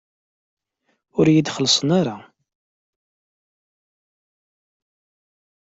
Ur iyi-d-xellṣen ara.